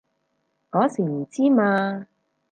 嗰時唔知嘛